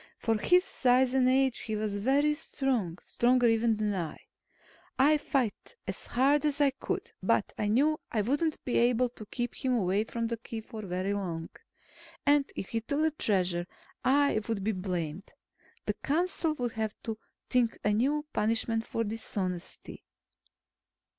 For his size and age, he was very strong stronger, even, than I. I fought as hard as I could, but I knew I wouldn't be able to keep him away from the Key for very long. And if he took the Treasure, I would be blamed. The council would have to think a new punishment for dishonesty.